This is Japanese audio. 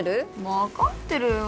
分かってるよ